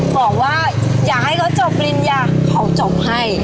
บอกว่าอย่าให้เขาจบรินยะเขาจบให้